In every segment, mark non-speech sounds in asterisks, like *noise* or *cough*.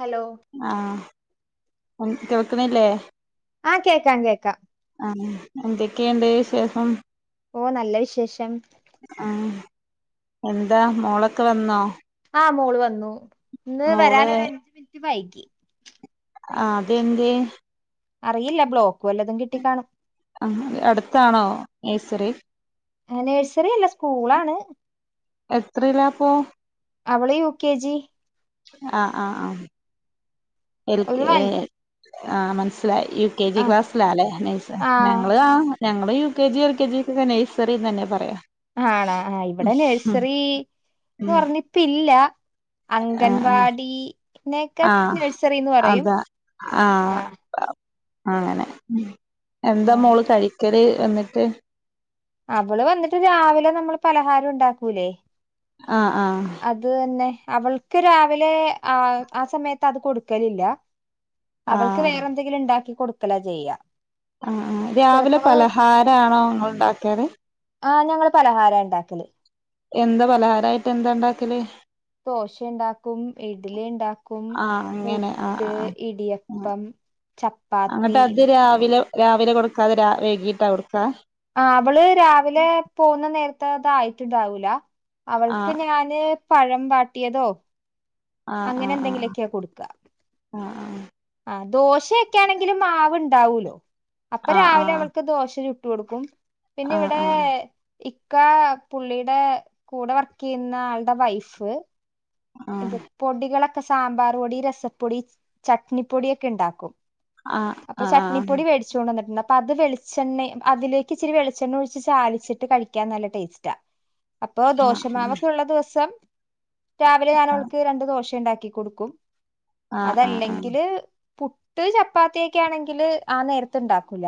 Hello ആഹ് കേൾക്ക്ണില്ലേ ആഹ് കേക്കാം കേക്കാം ആഹ് എന്തൊക്കെണ്ട് വിശേഷം ഓഹ് നല്ല വിശേഷം ആഹ് എന്താ മോളൊക്കെ വന്നോ ആഹ് മോള് വന്നു ഇന്ന് മോള് വരാനൊരു അഞ്ച് മിനിറ്റ് വൈകി ആഹ് അതെന്തെ അറിയില്ല ബ്ലോക്ക് വല്ലതും കിട്ടിക്കാണും ആഹ് അതെ അടുത്താണോ നെഴ്സെറി ആഹ് നെഴ്സെറി അല്ല സ്കൂളാണ് എത്രിലാപ്പോ അവള് യു കെ ജി ആഹ് ആഹ് ആഹ് ആ ഒരു എൽകെ അൻ ആഹ് മനസിലായി കെ ജി ആ ക്ലാസ്സിലാലെ നെഴ്സ ആ ഞങ്ങള് ആഹ് ഞങ്ങള് U K G L K ജികൊക്കെ നെയ്സെറിന്നെന്നാ പറയാ ആണോ ആഹ് ഇവിടെ നഴ്സറിന്ന് പർഞ്ഞ് ഇപ്പില്ല ആഹ് അംഗൻവാടിനെക്കെ ആഹ് നെഴ്സറിന്ന് പറയും അതാ ആഹ് അങ്ങനെ എന്താ ആ മോള് കഴിക്കല് വന്ന്ട്ട് അവള് വന്നിട്ട് രാവിലെ നമ്മള് പലഹാരം ഉണ്ടാക്കൂലേ ആഹ് ആഹ് അത് തന്നെ അവൾക്ക് രാവിലെ ആഹ് ആ സമയത്ത് അത് കൊട്ക്കലില്ല അവൾക്ക് ആഹ് വേറെ എന്തെങ്കിലും ഇണ്ടാക്കി കൊട്ക്കല ചെയ്യാ ആഹ് ആഹ് രാവിലെ ചെലപ്പോ പലഹാരം ആണോ ഇങ്ങള് ഇണ്ടാക്കെല് ആഹ് ഞങ്ങള് പലഹാര ഇണ്ടാക്കെല് എന്താ പലഹാരായിട്ട് എന്താ ഇണ്ടാക്കല് ദോശ ഇണ്ടാക്കും ഇഡ്ലി ഇണ്ടാക്കും ആ അങ്ങനെ ആ പുട്ട് ആ ആ ഇടിയപ്പം ചപ്പാത്തി ഇന്നട്ട് അത് രാവിലെ രാവിലെ കൊടുക്കാതെ വൈകിട്ടാ കൊട്ക്ക ആഹ് അവള് രാവിലെ പോവ്ന്ന നേരത്തെ അത് ആയിട്ട് ഇണ്ടാവൂല ആ അവൾക്ക് ഞാന് പഴം വാട്ടിയതോ ആ ആ അങ്ങനെ ആ എന്തെങ്കിലൊക്കെയാ കൊട്ക്കാ ആ ആഹ് ദോശയൊക്കെ ആണെങ്കിലും മാവ് ഇണ്ടാവൂലൊ അപ്പ ആ ആ രാവിലെ ആ അവൾക്ക് ദോശ ചുട്ട് കൊടുക്കും പിന്നെ ആ ആ ഇവിടെ ഇക്ക പുള്ളിടെ കൂടെ വർക്ക് ചെയ്യുന്ന ആളുടെ വൈഫ് ഇത് പൊടികളൊക്കെ സാമ്പാർ പൊടി രസപ്പൊടി ചട്നി പൊടിയൊക്കെ ഇണ്ടാക്കും ആ അപ്പ ആ ആ ചട്നിപൊടി വേട് ച്ചോണ്ടൊന്ന്ട്ട്ണ്ട് അപ്പത് വെളിച്ചെണ്ണ അതിലേക്കിച്ചിരി വെളിചെണ്ണൊഴിച്ച് ചാലിച്ചിട്ട് കഴിക്ക്യാൻ നല്ല ടേസ്റ്റാ. അപ്പൊ ദോശമാവൊക്കെള്ള ദൊവസം രാവിലെ ഞാനവൾക്ക് രണ്ട് ദോശെണ്ടാക്കി കൊടുക്കും. ആ ആ ആ ആ ആ ആ ആ ആ അതല്ലങ്കില് പുട്ട്, ചപ്പാത്ത്യക്കെണെങ്കില് ആ നേരത്ത്ണ്ടാക്കൂല്ല.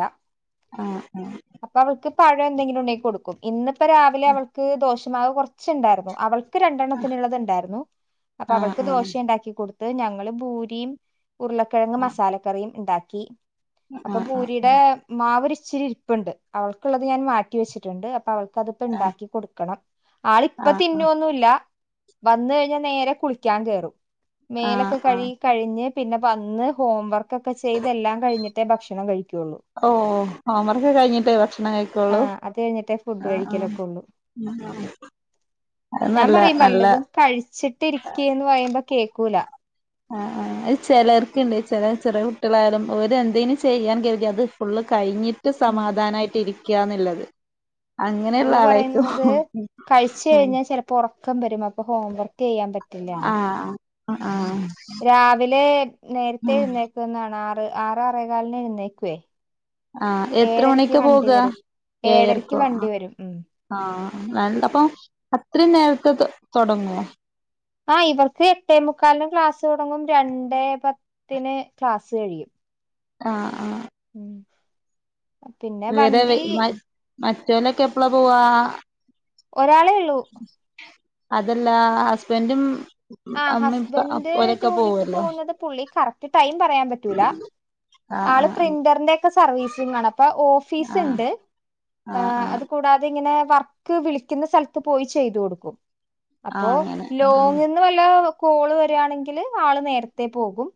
ആഹ് ആഹ് അപ്പവൾക്ക് പഴം എന്തെങ്കിലുണ്ടെങ്കി കൊടുക്കും ഇന്ന്പ്പൊ രാവിലെ അവൾക്ക് ദോശമാവ് കൊർച്ച്ണ്ടാറ്ന്നു അവൾ ക്ക് രണ്ടെണ്ണത്തിന്ളളത് ണ്ടാര്ന്നു. അപ്പൊ അവൾക്ക് ദോശെണ്ടാക്കി കൊടുത്ത് ഞങ്ങള് ബൂരിം ഉരുളക്കിഴങ്ങ് മസാലക്കറിയും ഇണ്ടാക്കി അപ്പൊ ബൂരിടെ മാവൊരിച്ചിരി ര് പ്പ്ണ്ട് അവൾക്കുള്ളത് ഞാൻ മാറ്റി വെച്ച്ട്ട്ണ്ട് അപ്പൊ അവൾക്കത്പ്പ ണ്ടാക്കി കൊട്ക്കണം. ആ ആ ആളിപ്പൊ തിന്നൊന്നുല്ല വന്ന് കഴിഞ്ഞാ നേരെ കുളിക്ക്യാൻ കേറും. ആ മേലൊക്കെ ആ കഴ്കി കഴിഞ്ഞ് പിന്നെ വന്ന് ഹോംവർക്കൊക്കെ ചെയ്തെല്ലാം കഴിഞ്ഞി ട്ടെ ഭക്ഷണം കഴിക്ക്യൊള്ളു. ഓഹ് ഹോം വർക്ക് കഴിഞ്ഞിട്ടേ ഭക്ഷണം കഴി ആ ക്കൊളളൂ അത് കഴിഞ്ഞിട്ടേ ഫുഡ് ആഹ് ആഹ് കഴിക്കലൊക്കെ ഉള്ളൂ ഉം ആഹ് അത് ഞാൻ നല്ലാ പറയും നല്ലാ വല്ലതും കഴിച്ചിട്ടിരിക്കേന്ന് പറയുമ്പോ കേക്കൂല്ല. ആഹ് ആഹ് അത് ചെലർക്ക്ണ്ട് ചെലേ ചെറ്യേ കുട്ട്യെളായാലും അവരെന്തേനും ചെയ്യാൻ കെര്ത്യാ അത് ഫുളള് കഴിഞ്ഞി ട്ട് സമാധാനായിട്ടിരിക്ക്യാന്ന്ള്ളത്. അവള് അങ്ങനെയുളളാ ളായിക്കോ ഉം ആഹ് പ്പൊറക്കം വെരും അപ്പം ഹോംവർ ക്കെയ്യാൻ പറ്റില്ല. ആഹ് ആഹ് ആഹ് രാവിലെ നേര്ത്തെ എഴുന്നേക്ക്ന്നാണ് ആറ് ആറ് ആറേ കാലിന് എഴുന്നേക്കുവേ. ആഹ് എത്ര ഏഴരക്ക് മണിക്കാ വണ്ടി പോക്കാ? വരും ഏഴരക്ക് ഏഴരക്കോ വണ്ടി ആഹ് വരും ഉം ആഹ് ആഹ് അല്ല പ്പൊ അത്രയും നേരത്തെ ത് തൊടങ്ങോ? ആഹ് ഇവക്ക് എട്ടേ മുക്കാലിന് ക്ലാസ്സൊട്ങ്ങും രണ്ടെ പത്തിന് ക്ലാസ് കഴിയും. ആഹ് ആഹ് ഉം പിന്നെ വണ്ടീ മറ്റോലെക്കെപ്പളാ പോവ്വാ? ഒരാളേ ള്ളൂ. അതല്ല ഹസ്ബെന്റും ആഹ് ഹസ്ബെൻ് ജോലിക്ക് പോവുന്നത് പുള്ളി കറക്റ്റ് ടൈം പറയാം പറ്റൂല്ലാ. ആഹ് ആള് ആഹ് പ്രിന്ററിന്റെക്കെ സർവ്വീസിംഗാണ്. അപ്പൊ ആഹ് ഓഫീസ്ണ്ട് ആഹ് അത് കൂടാതിങ്ങനെ വർക്ക് വിളിക്ക്ന്ന സ്ഥൽത്ത് പോയി ചെയ്ത് കൊടുക്കും. അപ്പോ ആഹ് അങ്ങനെ ലോങ് ന്ന് വല്ലോം കോള് വെരാണെങ്കില് ആള് നേരത്തെ പോകും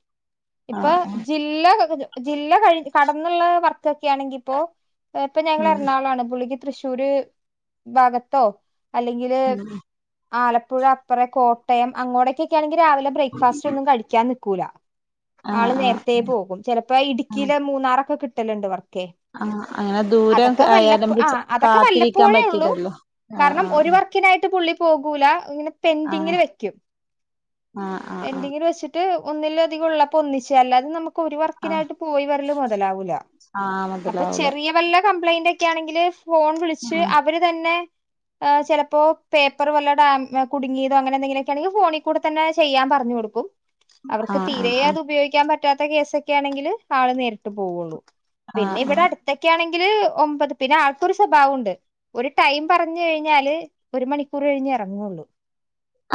ഇപ്പൊ ആഹ് ആഹ് ജി ല്ല ജില്ല കഴി കടന്ന്ള്ള വർക്കൊക്ക്യാണെങ്കിപ്പോ ഇപ്പൊ ഞങ്ങള് ഉം എറണാകൊളാണ് പുളളിക്ക് തൃശ്ശൂര് ഭാഗത്തൊ അല്ലെങ്കില് ആലപ്പുഴ അപ്പറെ കോട്ടയം അങ്ങോടേക്കെക്കേണെങ്കില് രാവിലെ ബ്രെക്ക്ഫാസ്റ്റൊന്നും കഴിക്കാൻ നിക്കൂല്ല ആഹ് ആള് ആഹ് നേര്ത്തേ പോകും ചെലപ്പോ ഇടി ആഹ് ക്കിലെ മൂന്നാറൊക്കെ കിട്ടല്ണ്ട് വർക്കേ. ആഹ് അങ്ങനെ ദൂരം അതൊക്കെ ആയാലും വല്ലപ്പോ നമുക്ക് ആഹ് ച- അതൊക്കെ കാത്തിരിക്കാൻ വല്ലപ്പോഴേ ഒള്ളൂ പറ്റില്ലല്ലോ ആഹ് കാരണം ഒരു ആഹ് വർ ക്കിനായിട്ട് പുള്ളി പോകൂല്ല ഇങ്ങനെ പെന്റിങില് വെക്കും ആഹ് ആഹ് ആഹ് ആഹ് പെന്റിങ് ല് വെച്ച്ട്ട് ഒന്നിലധികം ഉള്ളപ്പൊന്നിച്ച് അല്ലാതെ നമ ക്കൊരു ആഹ് വർക്കിനായിട്ട് പോയി വരല് മൊതലാവൂല. ആഹ് അപ്പൊ മുതലാവൂല ചെറിയ വെല്ല കംപ്ലയിന്റൊക്കെ ആണെങ്കില് ഫോൺ വിളിച്ച് ആഹ് അവര് തന്നെ ആഹ് ചെലപ്പോ പേപ്പറ് വല്ലോ ഡാം ഏഹ് കുടുങ്ങിയതൊ അങ്ങനെ എന്തെങ്കിലൊക് ക്കെ ആണെങ്കി ഫോണി കൂടെ തന്നെ ചെയ്യാൻ പറഞ്ഞു കൊടുക്കും. അവർക്ക് ആഹ് തീരേ ആഹ് ആഹ് അതുപയോഗിക്കാൻ പ റ്റാത്ത കേസൊക്കെ ആണെങ്കില് ആള് നേരിട്ട് പോവൊള്ളൂ. പിന്നെ ആഹ് ഇവിടെ അടു ത്തൊക്കെയാണെങ്കില് ഒമ്പത് പിന്നെ ആൾക്കൊരു സ്വഭാവമുണ്ട് ഒരു ടൈം പറഞ്ഞു കഴിഞ്ഞാല്, ഒരു മണിക്കൂറ് കഴിഞ്ഞേ എറങ്ങുള്ളൂ.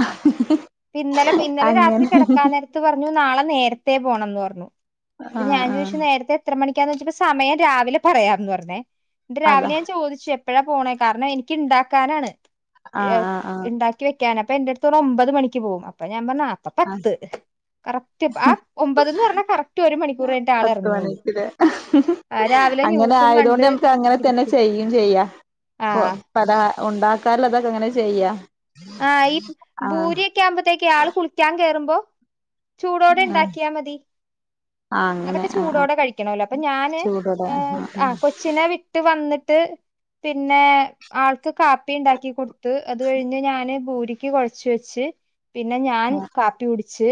ആ ഹ് ഹ് ഇന്നലെ പ്പൊ, ഇന്നലെ രാത്രി കെടക്കാൻ നേരത്ത് പറഞ്ഞു, നാളെ നേരത്തേ പോണംന്ന് പറഞ്ഞു. അപ്പൊ ആഹ് ഞാൻ ചോദിച്ചു ആഹ് നേരത്തെ എത്ര മണിക്കാന്ന് ചോദിച്ചപ്പോ സമയം രാവിലെ പറയാംന്ന് പറഞ്ഞേ. എന്നിട്ട് അതാ രാവിലെ ഞാൻ ചോദിച്ചു, എപ്പഴാ പോണേ കാരണം എനിക്ക്ണ്ടാക്കാനാണ് ആഹ് എഹ് ആഹ് ആഹ് ഇണ്ടാക് ക്കി വെക്കാൻ, അപ്പൊ എന്റെടുത്ത് പറഞ്ഞു, ഒമ്പത് മണിക്ക് പോവും. അപ്പ ഞാൻ പറഞ്ഞു അപ്പ ആഹ് പത്ത് കറക്റ്റ് ആ ഒമ്പതന്ന് പറഞ്ഞാ കറക്റ്റ് ഒരു മണിക്കൂർ കഴിഞ്ഞിട്ട് ആൾ പത്ത് ഇറങ്ങുള്ളൂ മണിക്ക്ലേ രാവിലെ അങ്ങനെ ന്യൂസും ആയതോണ്ട് കണ്ട് ഞമ്മക്ക് അങ്ങനെ തന്നെ ഇരിക്കും ചെയ്യും ചെയ്യ,. ഇപ്പൊ ആഹ് പല ഉണ്ടാക്കാല്ലതൊക്കെങ്ങനെ ചെയ്യാ ആഹ് ഈ ആഹ് ഭൂരി ഒക്കെയാവുമ്പൊത്തേക്ക് ആള് കുളിക്കാൻ കേറുമ്പോ ചൂടോടെ ആഹ് ഇണ്ടാക്കിയാ മതി. ആഹ് അങ്ങനെ അതൊക്കെ ആഹ് ആഹ് ചൂടോടെ കഴിക്കണവല്ലോ, അപ്പൊ ഞാന് ചൂടോടെ ഏഹ് ആഹ് ആ ആഹ് കൊച്ചിനെ വി ട്ട് വന്നിട്ട് പിന്നെ ആൾക്ക് കാപ്പി ഇണ്ടാക്കി കൊടുത്ത് അത് കഴിഞ്ഞ് ഞാ ന് ഭൂരിക്ക് കൊഴച്ച് വെച്ച്, പിന്നെ ഞാൻ കാപ്പി കുടിച്ച്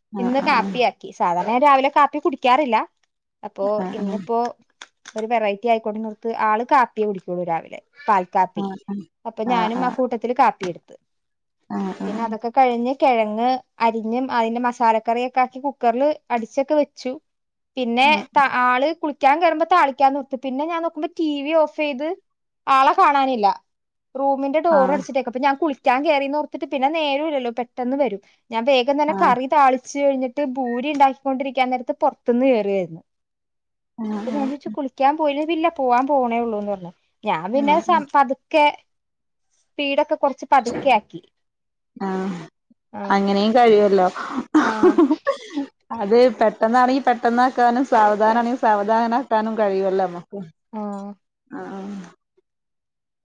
ആഹ് ഇന്ന് ആഹ് കാപ്പിയാക്കി, സാധാരണ ഞാൻ രാവിലെ കാപ്പി കുടിക്കാറില്ല. അപ്പൊ ആഹ് ഇന്ന്പ്പോ ഒരു വെറൈറ്റി ആയിക്കോട്ടേന്നോർത്ത്, ആള് കാപ്പിയേ കുടിക്കുള്ളൂ രാവിലെ. പാൽ കാപ്പി. ആഹ് അപ്പൊ ആഹ് ഞാനും ആ ആഹ് കൂട്ട ത്തില് കാപ്പിയെടുത്ത്. ആഹ് പിന്നതൊക്കെ കഴിഞ് കെഴങ്ങ് അരിഞ്ഞ് അതിന്റെ മസ് സാലക്കറിയൊക്കാക്കി കുക്കർല് അടിച്ചൊക്കെ വെച്ചു. പിന്നെ ആള് കുളി ക്കാൻ കേറുമ്പോ താളിക്കാന്നോർത്തു. പിന്നെ ഞാൻ നോക്കുമ്പൊ ടി വി ഓഫെയ്ത് ആളെ കാണാനില്ല. റൂമിന്റെ ആഹ് ആഹ് ഡോർ ആഹ് അടിച്ചിട്ടേക്കുക. അപ്പ ഞാൻ കുളിക്കാൻ കേറീന്നോർത്തിട്ട് പിന്നെ നേരംഇല്ലലോ, പെട്ടെന്ന് വരും. ഞാൻ വേഗ് ഗംതന്നെ ആഹ് കറി താളിച്ച് കഴിഞ്ഞിട്ട് ഭൂരി ഉണ്ടാക്കിക്കൊണ്ടിരിക്കാൻ നേരത്ത് പൊർത്തുന്ന് കേറി വരുന്നു. ആഹ് അപ്പൊ ഞാൻ ആഹ് ചോദിച്ചു. കുളിക്കാൻ പോയില്ല. ഇല്ല പോവാൻ പോണേഒള്ളൂന്ന് പറഞ്ഞു. ഞാൻ ആഹ് പിന്നെ ആഹ് സം പതുക്കെ സ്പീഡൊക്കെ കൊറച്ച് പതുക്കെയാക്കി. ആഹ് അങ്ങനെയും കഴിയൊല്ലോ. ആഹ് അത് പെട്ടെന്നാണെങ്കിൽ പെട്ടെന്നാക്കാനും സാവധാനാണെങ്കി സാവധാനാണെങ്കി സാവധാനാക്കാനും കഴിയൊല്ലോ അമ്മ ക്ക്. ആ ആഹ്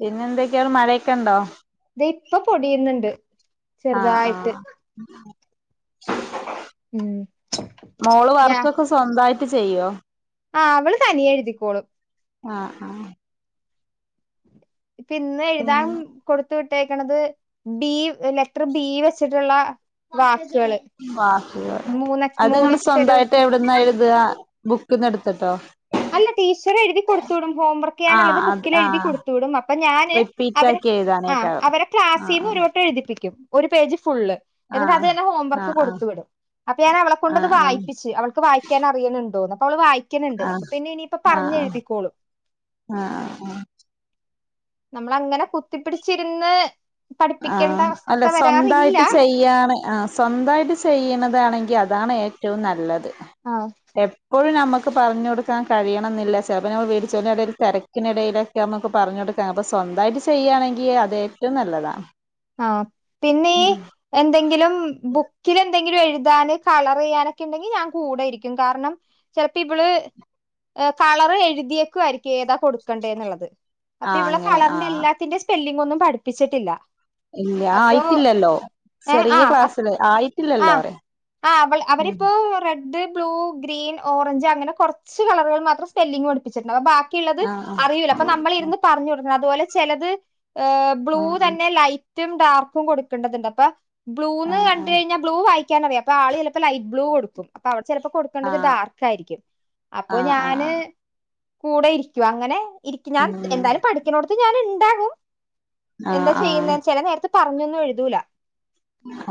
പിന്നെന്തൊക്കെയാണ് മഴയൊക്കെ ഉണ്ടോ? ദേ ഇപ്പ പൊടിയുന്ന് ണ്ട്. ആഹ് ആഹ് ഉം മോള് ഞാ വർക്കൊക്കെ സ്വന്തായിട്ട് ചെയ്യോ? ആഹ് അവള് തനിയേ എഴുതിക്കോളും. ആഹ് ആഹ് ഇപ്പ ഇന്നെഴുതാൻ പിന്നെ കൊടു ത്ത് വിട്ടേക്ക്ണത് ബീ ലെറ്റർ ബീ വെച്ചിട്ടുള്ള വാക്ക്കള്. വാക്കുകള്. അത്ങ്ങള് സ്വന്തായിട്ട് എവിടുന്നാ എഴുതാ, ബുക്ക്ന്ന്ട്ത്ത്ട്ടോ? അല്ല ടീച്ചർ എഴുതി കൊടുത്തു വിടും. ആഹ് ഹോംവർക്കെയ്യാനുള്ളത് അത് ബുക്കില് എഴുതി ആഹ് കൊടുത്തു വിടും. അപ്പൊ ഞാന് റിപ്പീറ്റ് അവരെ ആക്കി എഴുതാനേക്കാരം അവരെ ആഹ് ക്ലാസ്സീന്നൊരു വട്ടം എഴുതിപ്പിക്കും ഒരു പേജ്ഫുള്ള് എന്നിട്ടത് ആഹ് തന്നെ ഹോംവർക്ക് ആഹ് കൊടുത്തു വിടും. അപ്പൊ ഞാൻ അവളെ കൊണ്ടത് ആഹ് വായിപ്പിച്ച് അവൾക്ക് വായിക്കാൻ അറിയണ് ഇണ്ടോന്ന്. അപ്പൊ അവള് വായിക്ക്ണ് ണ്ട്. ആഹ് പിന്നെ ഇനിയിപ്പ ആഹ് ആഹ് ആഹ് പറഞ്ഞെഴുതിക്കോളു. ആഹ് ആഹ് നമ്മള് അങ്ങനെ കുത്തിപ്പിടിച്ചിരുന്ന് പഠിപ്പിക്കേണ്ട ആഹ് അല്ല അവസ്ഥ വരാറില്ല സ്വന്തായിട്ട് ചെയ്യാണ് ആഹ് സ്വന്തായിട്ട് ചെയ്യ്ണതാണെങ്കി അതാണ് ഏറ്റവും നല്ലത്. ആഹ്. എപ്പോഴും നമുക്ക് പറഞ്ഞ് കൊടുക്കാൻ കഴിയണംന്നില്ല. ചെലപ്പം ഞമ്മൾ *unintelligible* ഇടയിൽ തെരക്കിനിടയില് ഒക്കെ നമുക്ക് പറഞ്ഞ് കൊടുക്കാൻ. അപ്പം സ്വന്തായിട്ട് ചെയ്യാണെങ്കി അത് ഏറ്റവും നല്ലതാ. ആഹ് പിന്നേ എന്തെങ്കിലും ബുക്കിലെന്തെങ്കിലും എഴുതാന് കളറെയ്യാനൊക്കെ ഇണ്ടെങ്കി ഞാൻ കൂടെ ഇരിക്കും. കാരണം ചെലപ്പോ ഇവള് കളർ എഴുതിയേക്കുവായിരിക്കും. ഏതാ കൊടുക്കണ്ടേന്നുള്ളത് അപ്പൊ ആഹ് ഇവളെ അങ്ങനെ കളറിന്റെ ആഹ് എല്ലാത്തിന്റെ സ്പെല്ലിംങ്ങൊന്നും പഠിപ്പിച്ചിട്ടില്ല. ഇല്ല അപ്പൊ ആയിട്ടില്ലല്ലോ ഏഹ് ചെറിയ ആഹ് ക്ലാസ്സില് ആയിട്ടില്ലല്ലോ പറയാ. ആഹ് അവൾ ഉം അവരിപ്പോ red, blue, green, orange അങ്ങനെ കൊറച്ച് കളുകൾ മാത്രം സ്പെല്ലിംഗ് പഠി പ്പിച്ചിട്ടുണ്ട്. ബാക്കിയുള്ളത് ആഹ് ആഹ് അറിയൂല്ല അപ്പം നമ്മൾ ഇരുന്ന് പറഞ്ഞ് കൊടുക്കണം. അതുപോലെ ചെലത് ഏഹ്. ബ്ലൂ ആഹ് ആഹ് തന്നെ ലൈറ്റും ഡാർക്കും കൊടുക്കണ്ടതുണ്ട്. അപ്പൊ ബ്ലൂന്ന് ആഹ് ആഹ് കണ്ട് കഴിഞ്ഞാ ബ്ലൂ വായിക്കാനറിയാ അപ്പ ആള് ചിലപ്പോ ലൈറ്റ് ബ്ലൂ കൊടുക്കും. അപ്പ അവിടെ ചിലപ്പോ കൊടു ക്കണ്ടത് ആഹ് ഡാർക്ക് ആയിരിക്ക്യും. അപ്പൊ ആഹ് ഞാന് ആഹ് കൂടെ ഇരിക്ക്യും. അങ്ങനെ ഇരിക്കും ഞാൻ ഉം എന്തായാലും പഠിക്ക്ണോട്ത്ത് ഞാൻ ഇണ്ടാകും. ആഹ് എന്താ ആഹ് ചെയ്യ്ന്നേന്ന് ചെല നേരത്ത് പറഞ്ഞൊന്നും എഴുതൂല.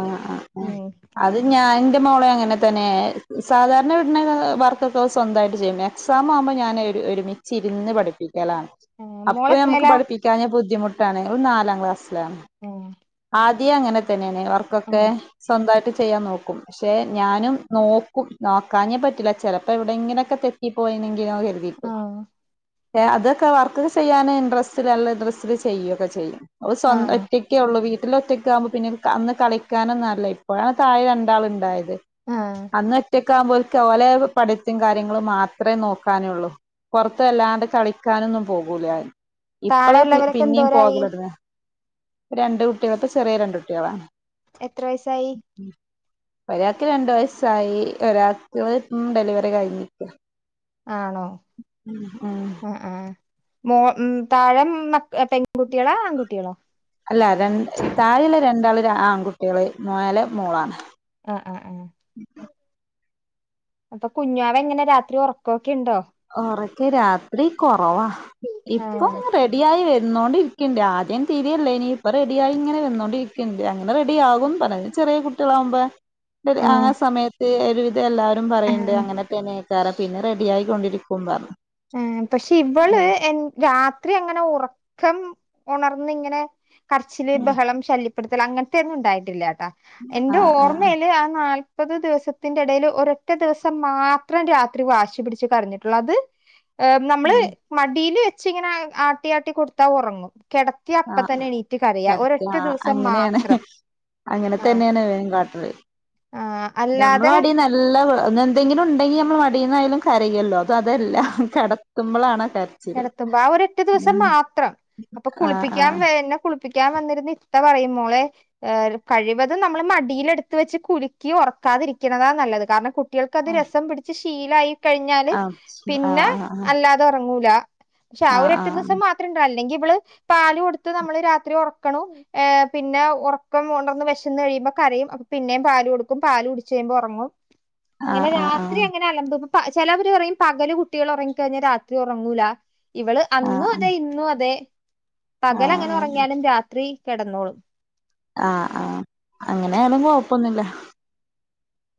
ആഹ് ആഹ് ആഹ്. ഉം അത് ഞാൻ ഇന്റെ മോളെ അങ്ങനെ തന്നെ. സാധാരണ വിട്ണെ വർക്കൊക്കെ ഓൾ സ്വന്തായിട്ട് ചെയ്യും. പിന്നെ എക്സാം ആവുമ്പം ഞാൻ ഒരു ഒരുമിച്ചിര്ന്ന് പഠിപ്പിക്കലാണ്. അപ്പൊ ഞമ്മക്ക് മോളെത്രേലാ? പഠിപ്പിക്കാഞ്ഞാ ബുദ്ധിമുട്ടാണ്. ഓള് നാലാം ക്ലാസ്സിലാണ്. ഉം. ആദ്യേ അങ്ങനെ തന്നേണ്. വർക്കൊക്കെ സ്വന്തായിട്ട് ചെയ്യാൻ നോക്കും. പക്ഷെ ഞാനും നോക്കും. നോക്കാഞ്ഞാ പറ്റില്ല ചെലപ്പോ എവിടെങ്ങനെയൊക്കെ തെറ്റിപ്പോയീനെങ്കി ഞാൻ ഹെൽ. *unintelligible* അതൊക്കെ വർക്കൊക്കെ ചെയ്യാൻ ഇൻട്രസ്റ്റില് നല്ല ഇൻട്രസ്റ്റില് ചെയ്യൊക്കെ ചെയ്യും. ഓള് സ്വം ആഹ് ഒറ്റക്കേ ഉള്ളു വീ ട്ടില് ഒറ്റക്കാവുമ്പം പിന്നെ ഇന്ക്ക് അന്ന് കളിക്കാനൊന്നും ആരൂല്ല. ഇപ്പോഴാ താഴെ രണ്ടാള് ഇണ്ടായത്. ആഹ്. അന്ന് ഒറ്റക്കാവമ്പം ഓല്ക്ക് ഓലെ പഠിത്തിം കാര്യങ്ങളും മാത്രേ നോക്കാനൊള്ളൂ. പൊറത്ത് വല്ലാണ്ട് കളിക്കാനൊന്നും പോകൂല. ഇപ്പളാ പി താഴെയുള്ളവരൊക്കെ പിന്നിം എന്തോരായി പോകല് തൊട്ങ്ങ്. രണ്ടു കുട്ട്യേള് ഇപ്പോ ചെറ്യേ രണ്ട് കുട്ട്യേളാ. എത്ര വയസായി? ഉം. ഒരാക്ക് രണ്ടു വയസ്സായി ഒരാക്ക് ഉം ഡെലിവറി കഴിഞ്ഞ് നിക്കാ. ആണോ ഉം ആഹ് ആഹ്. മോ ഉം താഴെം മ പെൺകുട്ടികളാ ആൺകുട്ടികളോ? അല്ല രണ്, താഴെല്ലെ രണ്ടാള് ര് ആൺകുട്ടിയേള് മേലേ മോളാണ്. ആഹ് ആഹ് ആഹ്. അപ്പൊ കുഞ്ഞാവ എങ്ങനെ രാത്രി ഒറക്കോക്കെ ഇണ്ടോ? ഒറക്ക് രാത്രി കൊറവാ. ആ ഇപ്പം റെ ഡിയായി വര്ന്നോണ്ടിരിക്ക്ണ്ട്. ആദ്യം തീരെയില്ലേനി ഇപ്പോ റെഡിയായി ഇങ്ങനെ വന്നോണ്ടിരിക്ക്ണ്ട് അങ്ങനെ റെഡിയാകും. *unintelligible* ചെറിയ കുട്ടികളാവുമ്പെ ഡെ ആ സമയത്ത് ഒരു ഇതെല്ലാരും ആ പറയ്ണ്ട് അങ്ങനെത്തെന്നേക്കാരം പിന്നെ റെഡി ആയി കൊണ്ടിരിക്കും പറഞ്ഞ് ഏഹ് പക്ഷെ ഇവള് എൻ രാത്രി അങ്ങനെ ഉറക്കം ഉണർന്ന് ഇങ്ങനെ കരച്ചില് ബഹളം ശല്യപ്പെടുത്തൽ അങ്ങനത്തെ ഒന്നും ഉണ്ടായിട്ടില്ലാട്ടോ എന്റെ ആഹ് ആഹ് ഓർമയില് ആ നാല് നാല്പത് ദിവസത്തിന്റെ എടേല് ഒരൊറ്റ ദിവസം മാത്രം രാത്രി വാശി പിടിച്ച് കരഞ്ഞിട്ടൊള്ളൂ അത് നമ്മള് മടീല് വെച്ചിങ്ങനെ ആട്ടിആട്ടി കൊട്ത്താ ഒറങ്ങും കെട ത്തിയ അപ്പം ആഹ് തന്നെ എണീറ്റ് കരയാ എടക്ക് ഒരൊറ്റ ആഹ് ദിവസം അങ്ങനേണ് മാത്രം അങ്ങനെ ആഹ് തന്നെയാണ് ഇവനും കാട്ടല് ആഹ് നമ്മളെ അല്ലാതെ മടീന്ന് നല്ല എന്തെങ്കിലുണ്ടെങ്കി നമ്മളെ മടിന്നയാലും കരയല്ലോ ഇത് അതെല്ലാം കെടത്ത്മ്പളാണ് ആ കര കെടത്തുമ്പോ ആ ഒരൊറ്റ ദിവസം മാത്രം അപ്പൊ ആഹ് കുളിപ്പിക്കാൻ ആഹ് വെര് എന്നെ കുളി പ്പിക്കാൻ വന്നിര്ന്ന ഇത്ത പറയും മോളെ ഏ കഴിവതും നമ്മള് മടിയിലെട്ത്ത് വെച്ച് കുലുക്കി ഉറക്കാതിരിക്ക്ണതാ നല്ലത് കാരണം കു ട്ട്യേള്ക്ക് അത് രസം പിടിച്ച് ശീലായി കഴിഞ്ഞാല് ആഹ് പിന്നെ ആഹ് അല്ലാ തെ ഒറങ്ങൂല പക്ഷെ ആ ഒരൊറ്റ ആഹ് ദിവസം മാ ത്രം അല്ലെങ്കില് ഇവള് പാല് കൊടുത്ത് നമ്മള് രാത്രി ഒറക്ക്ണു ഏഹ് പിന്നെ ഉറക്കം ഉണർന്ന് വിശന്ന് കഴിയുമ്പോ കരയും അപ്പ പിന്നേം പാല് കൊടുക്കും പാല് കുടിച്ച് കഴിയുമ്പോ ഉറങ്ങും അങ്ങനെ ആഹ് ആഹ് രാത്രി അങ്ങനെ അലമ്പ് പ ചെലവര് പറയും പകല് കുട്ടികൾ ഒറങ്ങി കഴിഞ്ഞാ രാത്രി ഉറങ്ങൂല ഇവള് അന്നും ആഹ് അതെ ഇന്നു അതെ പകലങ്ങനെ ആഹ് ഉറങ്ങിയാലും രാത്രി കിടന്നോളും ആഹ് ആഹ് അങ്ങനാണെ കൊഴപ്പൊന്നുല്ല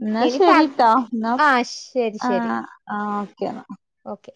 ഇന്നാ ഇനി പ ശെരിട്ടൊ ഇന്നാ ആഹ് ശരി ശരി ആഹ് ആഹ് ഓക്കെന്നാ ഓക്കെ